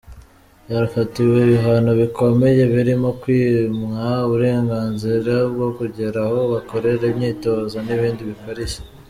Yafatiwe ibihano bikomeye birimo kwimwa uburenganzira bwo kugera aho bakorera imyitozo n’ibindi bikarishye.